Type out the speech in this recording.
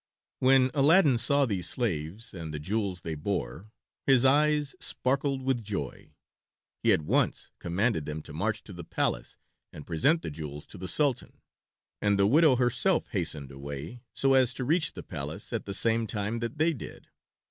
When Aladdin saw these slaves and the jewels they bore his eyes sparkled with joy. He at once commanded them to march to the palace and present the jewels to the Sultan, and the widow herself hastened away, so as to reach the palace at the same time that they did.